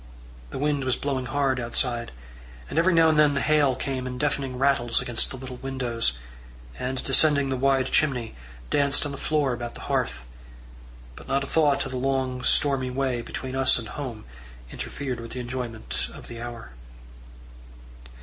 The wind was blowing hard outside, and every now and then the hail came in deafening rattles against the little windows, and, descending the wide chimney, danced on the floor about the hearth; but not a thought of the long, stormy way between us and home interfered with the enjoyment of the hour.